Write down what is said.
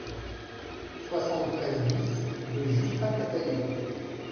soixante-treize BIS rue Justin Catayée